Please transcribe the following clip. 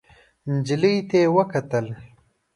نجلۍ ته يې وکتل.